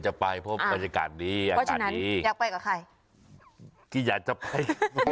เดี๋ยวคุณทำอะไร